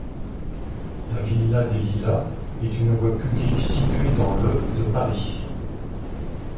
La villa des Lilas est une voie publique située dans le de Paris.